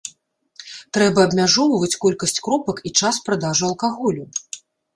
Трэба абмяжоўваць колькасць кропак і час продажу алкаголю.